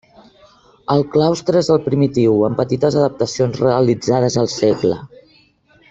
El claustre és el primitiu, amb petites adaptacions realitzades al segle.